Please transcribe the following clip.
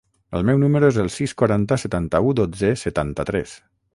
El meu número es el sis, quaranta, setanta-u, dotze, setanta-tres.